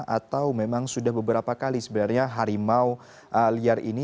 atau memang sudah beberapa kali sebenarnya harimau liar ini